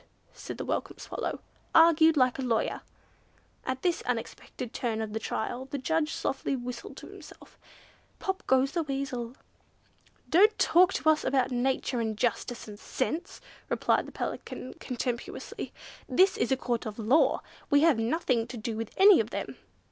said the Welcome Swallow, "argued like a lawyer." At this unexpected turn of the trial the Judge softly whistled to himself, "Pop goes the weasel." "Don't talk to us about nature and justice and sense," replied the Pelican, contemptuously. "This is a Court of law, we have nothing to do with any of them!"